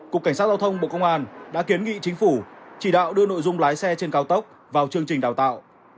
cục cảnh sát giao thông bộ công an đã kiến nghị chính phủ chỉ đạo đưa nội dung lái xe trên cao tốc vào chương trình đào tạo